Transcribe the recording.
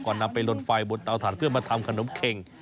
นำไปลนไฟบนเตาถ่านเพื่อมาทำขนมเข็ง